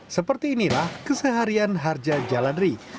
seperti inilah keseharian harja jalanri